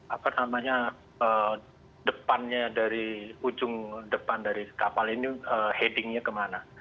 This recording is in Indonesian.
apa namanya depannya dari ujung depan dari kapal ini headingnya kemana